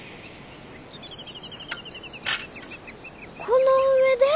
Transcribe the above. この上で？